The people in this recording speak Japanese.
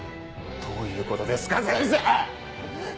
どういうことですか⁉先離せ！